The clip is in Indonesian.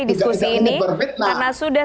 diskusi ini karena sudah